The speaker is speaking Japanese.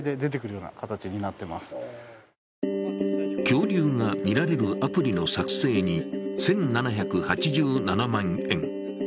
恐竜が見られるアプリの作成に１７８７万円。